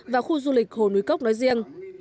và khu du lịch hồ núi cốc nói riêng